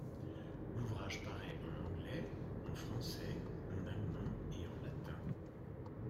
L’ouvrage paraît en anglais, en français, en allemand et en latin.